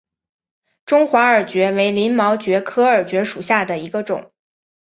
中华耳蕨为鳞毛蕨科耳蕨属下的一个种。